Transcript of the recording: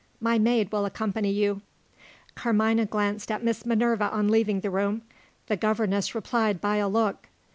My maid will accompany you." Carmina glanced at Miss Minerva on leaving the room. The governess replied by a look.